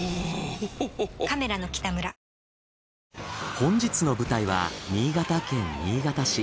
本日の舞台は新潟県新潟市。